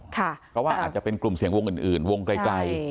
เพราะว่าอาจจะเป็นกลุ่มเสี่ยงวงอื่นวงไกล